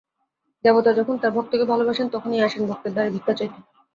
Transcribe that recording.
দেবতা যখন তাঁর ভক্তকে ভালোবাসেন তখনই আসেন ভক্তের দ্বারে ভিক্ষা চাইতে।